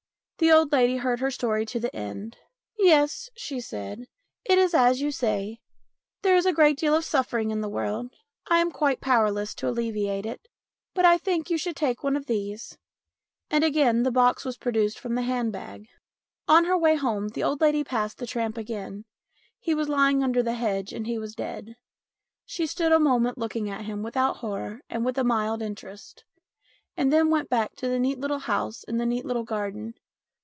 The old lady heard her story to the end. " Yes," she said, " it is as you say. There is a great deal of suffering in the world. I am quite powerless to alleviate it. But I think you should take one of these," and again the box was produced from the hand bag. 218 STORIES IN GREY On her way home the old lady passed the tramp again. He was lying under the hedge and he was dead. She stood a moment looking at him without horror and with a mild interest, and then went back to the neat little house in the neat little garden.